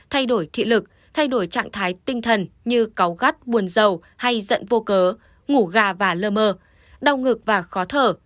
thay đổi thị lực thay đổi trạng thái tinh thần như cáo gắt buồn dầu hay giận vô cớ ngủ gà và lơ mơ đau ngực và khó thở